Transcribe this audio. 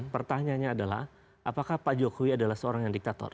pertanyaannya adalah apakah pak jokowi adalah seorang yang diktator